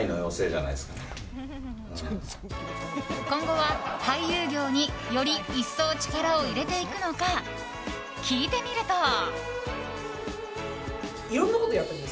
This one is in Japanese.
今後は俳優業により一層、力を入れていくのか聞いてみると。